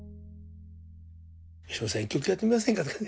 「吉本さん１曲やってみませんか？」